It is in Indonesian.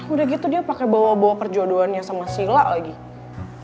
udah gitu dia pakai bawa bawa perjodohannya sama sila lagi